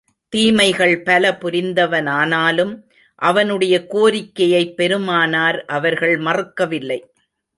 தீமைகள் பல புரிந்தவனானாலும், அவனுடைய கோரிக்கையைப் பெருமானார் அவர்கள் மறுக்கவில்லை.